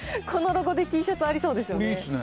このロゴでＴシャツありそうですよね。